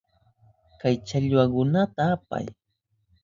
Kay challwakunata apay.